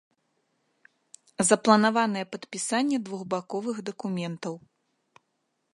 Запланаванае падпісанне двухбаковых дакументаў.